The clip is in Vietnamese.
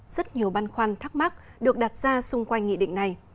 rất nhiều băn khoăn thắc mắc được đặt ra xung quanh nghị định này